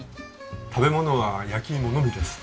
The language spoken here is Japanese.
食べ物は焼き芋のみです。